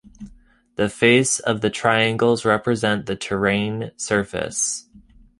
The face of the triangles represent the terrain surface.